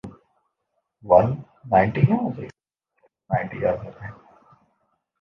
ہم کبھی دو قدم پیچھے جاتے تھے۔